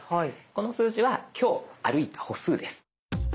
この数字は今日歩いた歩数です。